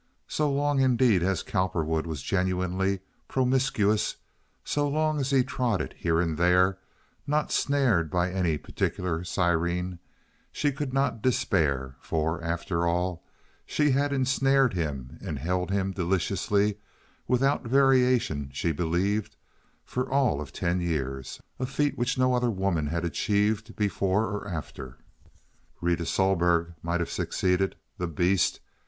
So long, indeed, as Cowperwood was genuinely promiscuous, so long as he trotted here and there, not snared by any particular siren, she could not despair, for, after all, she had ensnared him and held him deliciously—without variation, she believed, for all of ten years—a feat which no other woman had achieved before or after. Rita Sohlberg might have succeeded—the beast!